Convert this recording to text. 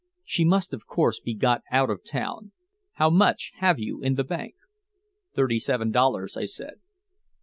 She must of course be got out of town. How much have you in the bank?" "Thirty seven dollars," I said.